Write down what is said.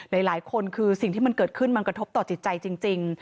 หลายคนคือสิ่งที่มันเกิดขึ้นมันกระทบต่อจิตใจจริง